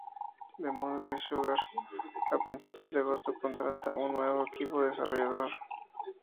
De modo que Sugar, a principios de agosto, contrata un nuevo equipo desarrollador.